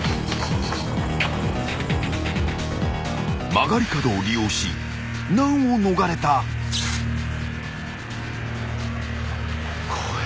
［曲がり角を利用し難を逃れた］怖え。